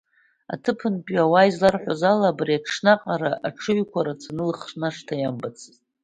Аҭыԥантәи ауаа изларҳәоз ала, абри аҽны аҟара аҽыҩқәа рацәаны Лыхнашҭа иамбацызт.